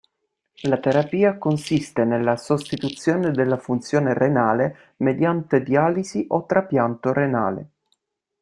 La terapia consiste nella sostituzione della funzione renale mediante dialisi o trapianto renale.